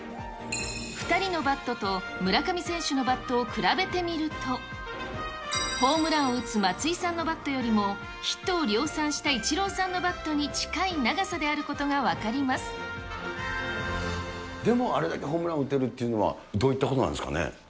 ２人のバットと村上選手のバットを比べてみると、ホームランを打つ松井さんのバットよりも、ヒットを量産したイチローさんのバットに近い長さであることが分でも、あれだけホームランを打てるというのは、どういったことなんですかね。